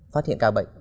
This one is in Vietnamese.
phát hiện ca bệnh